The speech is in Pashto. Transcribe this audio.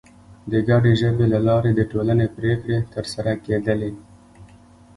د ګډې ژبې له لارې د ټولنې پرېکړې تر سره کېدلې.